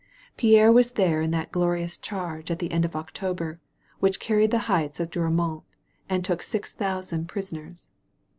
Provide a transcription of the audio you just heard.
Pierre was there in that glorious charge at the «nd of October which carried the heights of Douau mont and took six thousand prisoners.